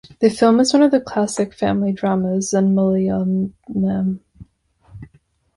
The film is one of the classic family dramas in Malayalam.